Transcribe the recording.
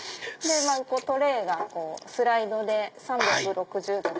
トレーがスライドで３６０度出てくる。